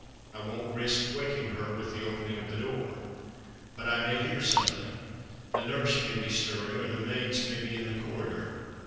I won't risk waking her with the opening of the door. But I may hear something. The nurse may be stirring, or the maids may be in the corridor.